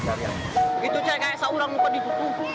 begitu saja kayak seorang lupa ditutup